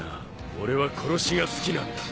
俺は殺しが好きなんだ。